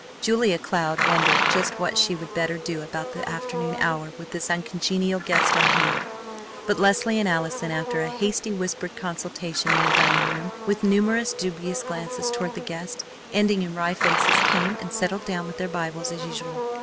Julia Cloud wondered just what she would better do about the afternoon hour with this uncongenial guest on hand, but Leslie and Allison, after a hasty whispered consultation in the dining room with numerous dubious glances toward the guest, ending in wry faces, came and settled down with their Bibles as usual.